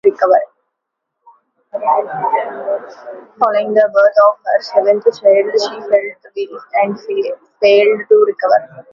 Following the birth of her seventh child, she fell ill and failed to recover.